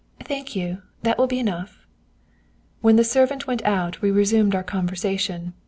"Thank you, that will be enough." When the servant went out we resumed our conversation.